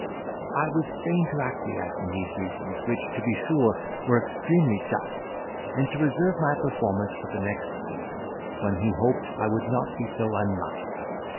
"I was fain to acquiesce in these reasons, which, to be sure, were extremely just; and to reserve my performance for the next season, when he hoped I would not be so unlucky.